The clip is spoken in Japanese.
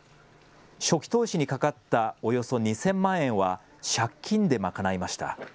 初期投資にかかったおよそ２０００万円は借金で賄いました。